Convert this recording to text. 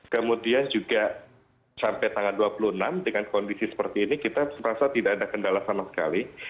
kemudian juga sampai tanggal dua puluh enam dengan kondisi seperti ini kita merasa tidak ada kendala sama sekali